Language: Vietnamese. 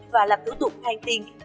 và làm thủ tục hàng tiền